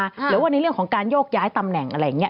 หรือว่าในเรื่องของการโยกย้ายตำแหน่งอะไรอย่างนี้